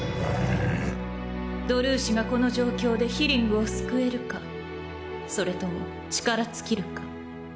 ドルーシがこの状況でヒリングを救えるかそれとも力尽きるか。